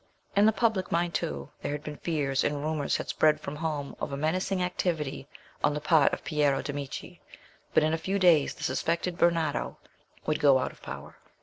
In the public mind, too, there had been fears, and rumours had spread from Rome of a menacing activity on the part of Piero de' Medici; but in a few days the suspected Bernardo would go out of power.